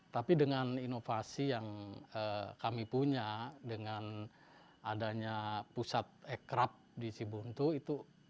tapi dengan inovasi yang kami punya dengan adanya pusat ekrab di jebuntu